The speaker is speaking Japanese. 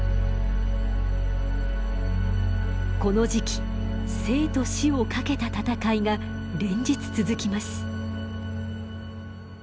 この時期生と死を懸けた戦いが連日続きます。